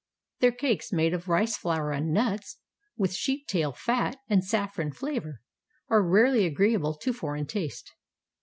Their cakes, made of rice flour and nuts, with sheep tail fat and saffron flavor, are rarely agreeable to foreign taste.